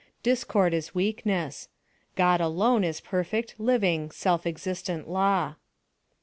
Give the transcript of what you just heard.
Discord is weakness. God alone is perfect, living, self existent law.